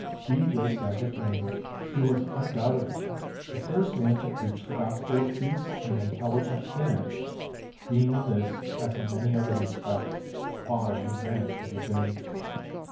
Be this as it may, he was 14 undoubtedly the first man to preach the gospel of peace and intelligent inaction, being in this, as in many other respects, far in advance of his age.